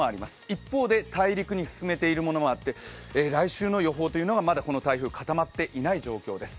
一方で大陸へ進めているものもあって来週の予報というのがまだこの台風、固まっていない状況です。